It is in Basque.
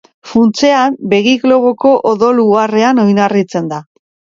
Funtsean, begi-globoko odol-uharrean oinarritzen da.